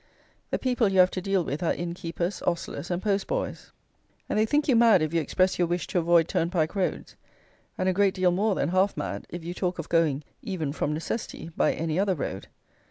The people you have to deal with are innkeepers, ostlers, and post boys; and they think you mad if you express your wish to avoid turnpike roads; and a great deal more than half mad if you talk of going, even from necessity, by any other road.